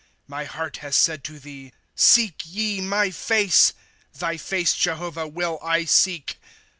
^ My heart has said to thee : Seek ye my face, — Thy face, Jehovah, will I seek.